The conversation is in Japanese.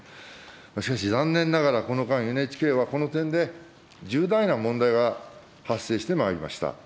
しかし、残念ながら、この間、ＮＨＫはこの点で、重大な問題が発生してまいりました。